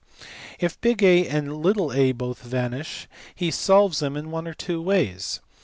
If A and a both vanish, he solves them in one of two ways.